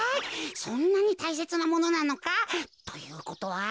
そんなにたいせつなものなのか？ということは。